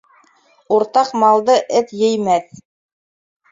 Уртаҡ малды эт еймәҫ.